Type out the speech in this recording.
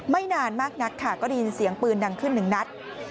ไม่นานมากนักค่ะก็ได้ยินเสียงปืนดังขึ้นหนึ่งนัด